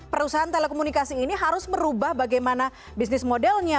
perusahaan telekomunikasi ini harus merubah bagaimana bisnis modelnya